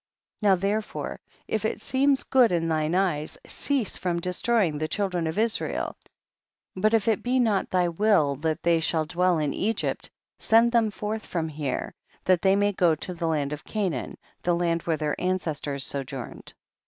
40. Now therefore if it seem good in thine eyes, cease from destroying the children of Israel, but if it be not thy will that they shall dwell in Egypt, send them forth from here, that they may go to the land of Ca naan, the land where their ancestors sojourned.